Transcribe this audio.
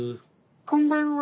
こんばんは。